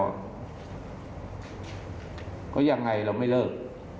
แล้วก็ยังไงเราไม่เริ่ม